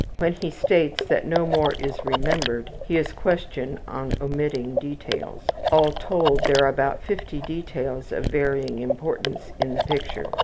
When he states that no more is remembered he is questioned on omitted details. (All told, there are about 50 details of varying importance in the picture.)